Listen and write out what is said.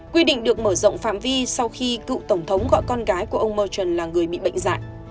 quy định được mở rộng phạm vi sau khi cựu tổng thống gọi con gái của ông morton là người bị bệnh dại